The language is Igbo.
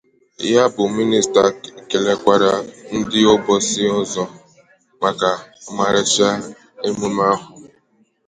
ya bụ Minịsta kelekwara ndị Obosi ọzọ maka ọmarịcha emume ahụ